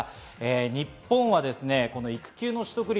日本は育休の取得率、